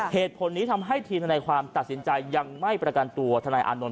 เหตุผลนี้ทำให้ทีมทนายความตัดสินใจยังไม่ประกันตัวทนายอานนท